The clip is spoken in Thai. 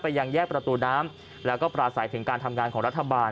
ยังแยกประตูน้ำแล้วก็ปราศัยถึงการทำงานของรัฐบาล